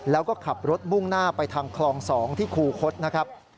แล้วก็ขับรถมุ่งหน้าไปทางคลอง๒ที่คูคศนะครับ